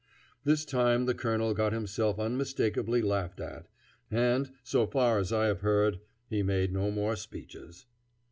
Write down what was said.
This time the colonel got himself unmistakably laughed at, and, so far as I have heard, he made no more speeches.